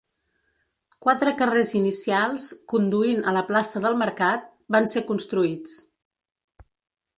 Quatre carrers inicials, conduint a la plaça del mercat, van ser construïts.